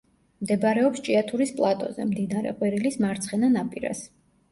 მდებარეობს ჭიათურის პლატოზე, მდინარე ყვირილის მარცხენა ნაპირას.